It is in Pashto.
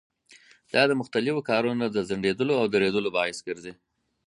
دا د مختلفو کارونو د ځنډېدلو او درېدلو باعث ګرځي.